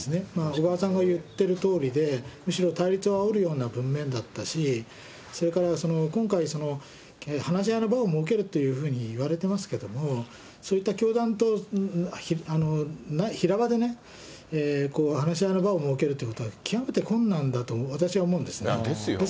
小川さんが言ってるとおりで、むしろ対立をあおるような文面だったし、それから今回、話し合いの場を設けるっていうふうにいわれてますけども、そういった教団と平場でね、話し合いの場を設けるっていうことは極めて困難だと、私は思うんですね。